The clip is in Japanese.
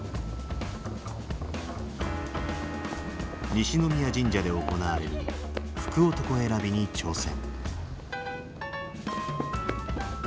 西宮神社で行われる「福男選び」に挑戦。